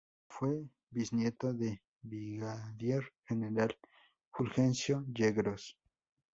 Fue bisnieto del Brigadier General Fulgencio Yegros.